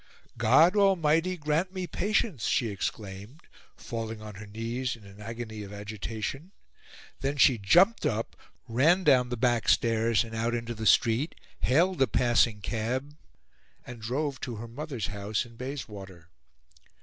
"God Almighty grant me patience!" she exclaimed, falling on her knees in an agony of agitation: then she jumped up, ran down the backstairs and out into the street, hailed a passing cab, and drove to her mother's house in Bayswater.